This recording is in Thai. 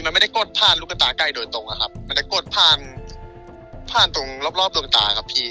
มันไม่ได้กดผ่านลูกตาใกล้โดยตรงนะครับมันจะกดผ่านผ่านตรงรอบรอบดวงตาครับพี่